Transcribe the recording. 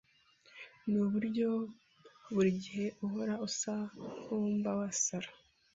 Nuburyo burigihe uhora usa nkuwumva wasara